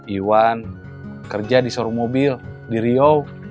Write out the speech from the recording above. iwan kerja di sorum mobil di rio